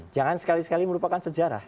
jangan sekali sekali merupakan sejarah